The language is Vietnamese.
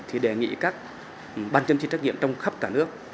thì đề nghị các ban chấm thi trách nhiệm trong khắp cả nước